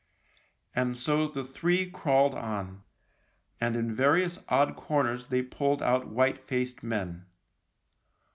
And so the three crawled on, and in various odd corners they pulled out white faced men.